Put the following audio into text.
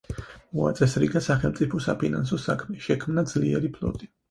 მოაწესრიგა სახელმწიფო საფინანსო საქმე, შექმნა ძლიერი ფლოტი.